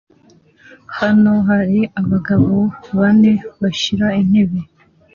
Hano hari abagabo bane bashira intebe